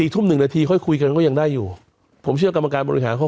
ทุ่ม๑นาทีค่อยคุยกันก็ยังได้อยู่ผมเชื่อกรรมการบริหารเขา